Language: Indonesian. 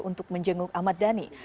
untuk menjenguk ahmad dhani